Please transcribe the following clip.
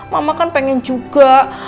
mama kan pengen juga